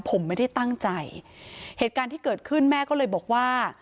ผมไม่ได้ตั้งใจเหตุการณ์ที่เกิดขึ้นแม่ก็เลยบอกว่า